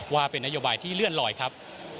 ว่าเป็นนโยบายที่เลื่อนลอยครับ